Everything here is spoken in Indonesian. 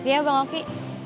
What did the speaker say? terima kasih ya bang ovi